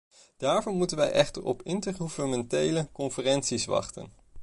Daarvoor moeten wij echter op de intergouvernementele conferentie wachten.